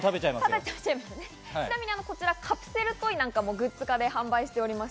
こちらカプセルトイなんかもグッズ化で販売しています。